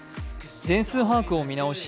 全数把握を見直し